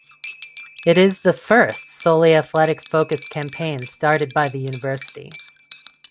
It is the first solely athletic focused campaign started by the university.